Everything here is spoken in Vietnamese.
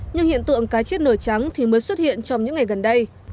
nhưng hiện tượng cá chết nổi trắng thì mới xuất hiện trong những ngày gần đây